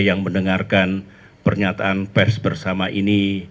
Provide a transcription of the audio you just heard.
yang mendengarkan pernyataan pes bersama ini